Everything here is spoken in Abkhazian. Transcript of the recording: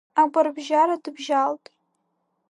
Агәарбжьара дыбжьалт.